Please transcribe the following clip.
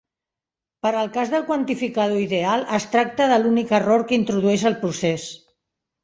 Per al cas del quantificador ideal es tracta de l'únic error que introdueix el procés.